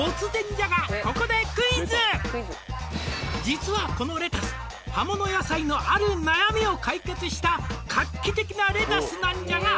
「実はこのレタス」「葉物野菜のある悩みを解決した」「画期的なレタスなんじゃが」